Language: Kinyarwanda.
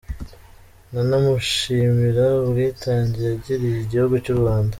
Nanamushimira ubwitange yagiriye igihugu cy’u Rwanda.